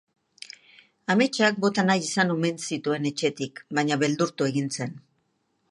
Ametsak bota nahi izan omen zituen etxetik, baina beldurtu egin zen.